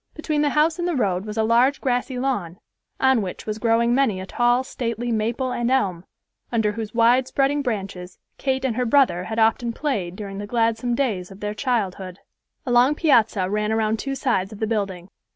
Between the house and the road was a large grassy lawn, on which was growing many a tall, stately maple and elm, under whose wide spreading branches Kate and her brother had often played during the gladsome days of their childhood. A long piazza ran around two sides of the building.